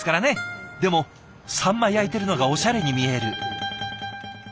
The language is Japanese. でもサンマ焼いてるのがおしゃれに見える。